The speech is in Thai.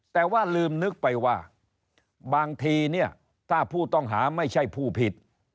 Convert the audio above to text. แต่ว่าลืมนึกไปว่าบางทีเนี่ยถ้าผู้ต้องหาไม่ใช่ผู้ผิด